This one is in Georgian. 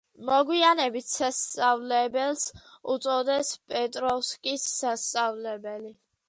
მოგვიანებით სასწავლებელს უწოდეს პეტროვსკის სასწავლებელი.